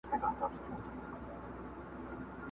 o بنده راسه د خداى خپل سه، لکه پر ځان هسي پر بل سه!.